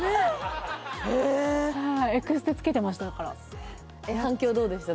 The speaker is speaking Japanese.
へえはいエクステつけてましただから反響どうでした？